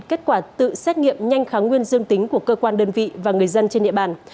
kết quả tự xét nghiệm nhanh kháng nguyên dương tính của cơ quan đơn vị và người dân trên địa bàn